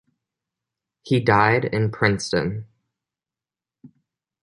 He died in Princeton.